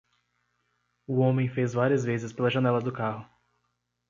O homem fez várias vezes pela janela do carro.